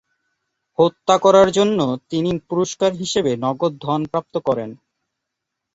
হত্যা করার জন্য তিনি পুরস্কার হিসেবে নগদ ধন প্রাপ্ত করেন।